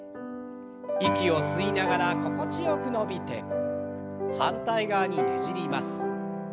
息を吸いながら心地よく伸びて反対側にねじります。